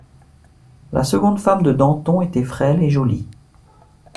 La seconde femme de Danton était frêle et jolie.